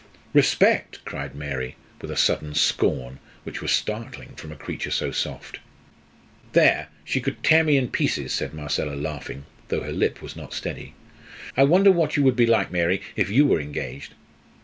"Respect!" cried Mary, with a sudden scorn, which was startling from a creature so soft. "There, she could tear me in pieces!" said Marcella, laughing, though her lip was not steady. "I wonder what you would be like, Mary, if you were engaged."